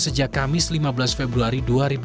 sejak kamis lima belas februari dua ribu dua puluh